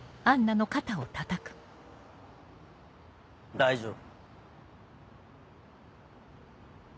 大丈夫。